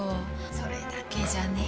それだけじゃねえ。